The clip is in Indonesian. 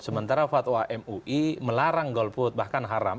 sementara fatwa mui melarang golput bahkan haram